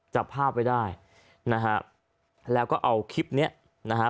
จับภาพไว้ได้นะฮะแล้วก็เอาคลิปเนี้ยนะฮะ